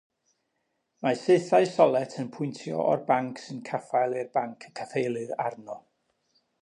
Mae saethau solet yn pwyntio o'r banc sy'n caffael i'r banc y caffaelir arno.